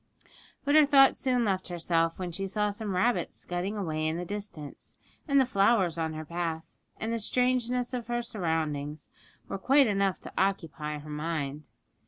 But her thoughts soon left herself when she saw some rabbits scudding away in the distance; and the flowers on her path, and the strangeness of her surroundings, were quite enough to occupy her mind.